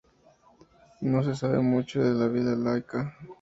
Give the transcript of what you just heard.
No se sabe mucho de su vida laica.